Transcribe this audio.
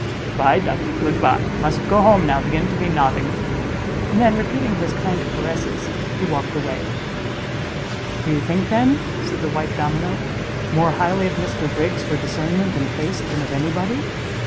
Good by, ducky, good by! must go home now, begin to be nodding." And then, repeating his kind caresses, he walked away. "Do you think, then," said the white domino, "more highly of Mr Briggs for discernment and taste than of any body?"